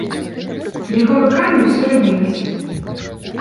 Яго рукамі ўсё рабілася.